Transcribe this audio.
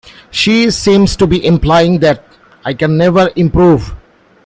She seems to be implying that I can never improve.